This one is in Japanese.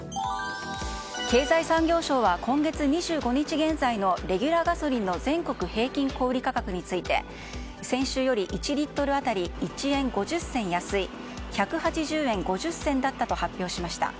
経済産業省は今月２５日現在のレギュラーガソリンの全国平均小売価格について先週より１リットル当たり１円５０銭安い１８０円５０銭だったと発表しました。